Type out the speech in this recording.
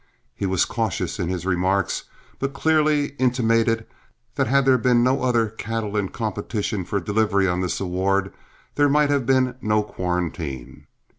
He was cautious in his remarks, but clearly intimated that had there been no other cattle in competition for delivery on this award, there might have been no quarantine.